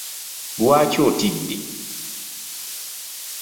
Lwaki otidde?